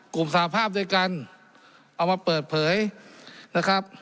สาภาพด้วยกันเอามาเปิดเผยนะครับ